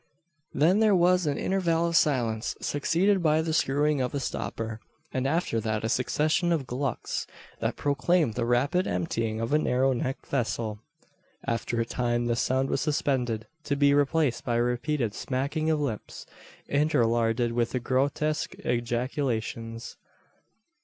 Then there was an interval of silence, succeeded by the screwing of a stopper, and after that a succession of "glucks," that proclaimed the rapid emptying of a narrow necked vessel. After a time this sound was suspended, to be replaced by a repeated, smacking of lips, interlarded with grotesque ejaculations.